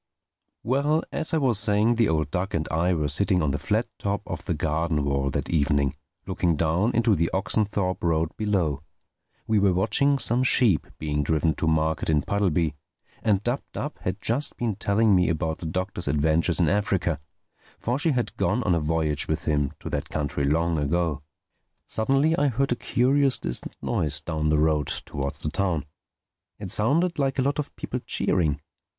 Well, as I was saying, the old duck and I were sitting on the flat top of the garden wall that evening, looking down into the Oxenthorpe Road below. We were watching some sheep being driven to market in Puddleby; and Dab Dab had just been telling me about the Doctor's adventures in Africa. For she had gone on a voyage with him to that country long ago. Suddenly I heard a curious distant noise down the road, towards the town. It sounded like a lot of people cheering.